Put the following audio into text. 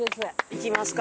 行きますか。